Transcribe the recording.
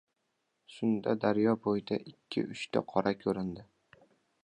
Shunda, daryo bo‘yida ikki-uchta qora ko‘rindi.